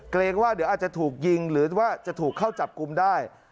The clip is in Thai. เกรงว่าเดี๋ยวอาจจะถูกยิงหรือว่าจะถูกเข้าจับกลุ่มได้